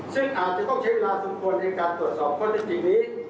ซึ่งอาจจะต้องใช้เวลาสมควรในการตรวจสอบข้อได้จริงนี้